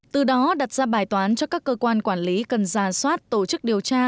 từ đó đặt ra bài toán cho các cơ quan quản lý cần giả soát tổ chức điều tra